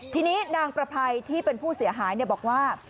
ทีนี้นางประภัยที่เป็นผู้เสียหายบอกว่า